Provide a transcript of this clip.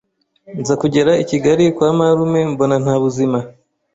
nza kugera i kigali kwa marume mbona nta buzima